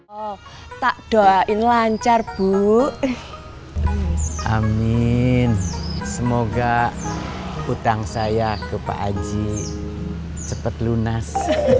oh tak doain lancar bu amin semoga utang saya ke pak aji cepat lunas